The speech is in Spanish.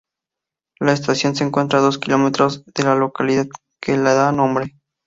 La estación se encuentra a dos kilómetros de la localidad que le da nombre.